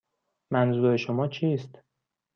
منظور شما چیست؟